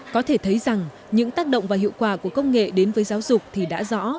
có thể thấy rằng những tác động và hiệu quả của công nghệ đến với giáo dục thì đã rõ